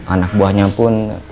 anak buahnya pun